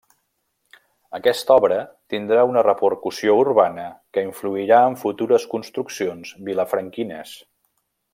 Aquesta obra tindrà una repercussió urbana que influirà en futures construccions vilafranquines.